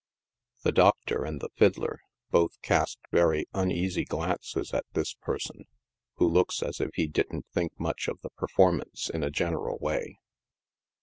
The ;i Doctor" and the fiddler both cast very uneasy glances at this person, who looks as if he didn't think much of the perform ance, in a general way.